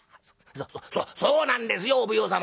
「そそうなんですよお奉行様。